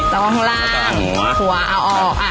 ข้างล่างหัวเอาออก